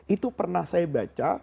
itu pernah saya baca